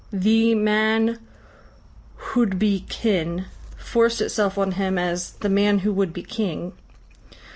"Thi Man huwdbi Kin" forced itself on him as "The Man who would be King."